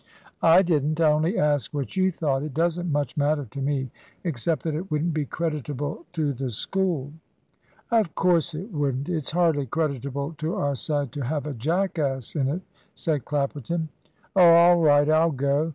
"I didn't. I only asked what you thought. It doesn't much matter to me, except that it wouldn't be creditable to the School." "Of course it wouldn't; it's hardly creditable to our side to have a jackass in it," said Clapperton. "Oh, all right I'll go.